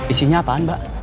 isinya apaan mbak